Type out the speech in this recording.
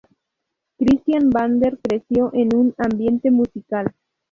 Christian Vander creció en un ambiente musical.